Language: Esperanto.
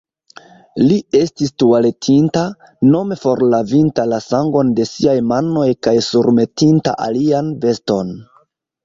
Li estis tualetinta, nome forlavinta la sangon de siaj manoj kaj surmetinta alian veston.